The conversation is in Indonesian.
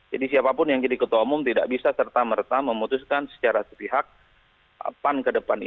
siapapun yang jadi ketua umum tidak bisa serta merta memutuskan secara sepihak pan ke depan